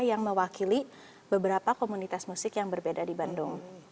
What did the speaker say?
yang mewakili beberapa komunitas musik yang berbeda di bandung